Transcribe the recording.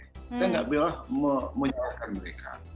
kita tidak bisa menyebabkan mereka